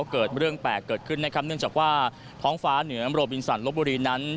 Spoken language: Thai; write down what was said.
เกิดเรื่องแปลกเกิดขึ้นนะครับเนื่องจากว่าท้องฟ้าเหนือโรบินสันลบบุรีนั้น